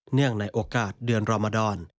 เนื่องในโอกาสเดือนรมดร